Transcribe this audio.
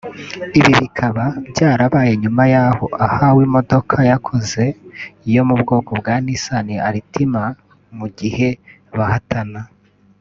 Ibi bikaba byarabaye nyuma y’aho ahawe imodoka yakoze yo mu bwoko bwa Nissan Altima mu gihe bahatana